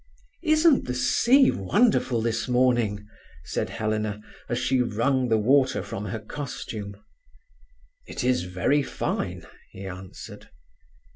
"Isn't the sea wonderful this morning?" asked Helena, as she wrung the water from her costume. "It is very fine," he answered.